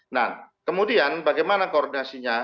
nah kemudian bagaimana koordinasinya